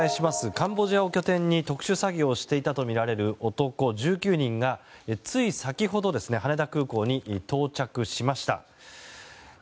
カンボジアを拠点に特殊詐欺をしていたとみられる男１９人がつい先ほど羽田空港に到着しました。